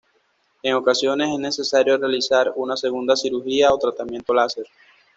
En ocasiones es necesario realizar una segunda cirugía o tratamiento láser.